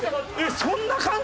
そんな感じ？